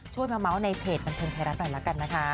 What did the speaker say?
ช่วยมาเมาส์ในเพจบันทึงไทยรัฐหน่อยละกัน